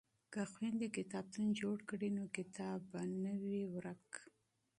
که خویندې کتابتون جوړ کړي نو کتاب به نه وي ورک.